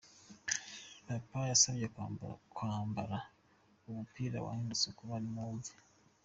Papa yabasabye kwambara uwo mupira wanditse kuba mu bumwe.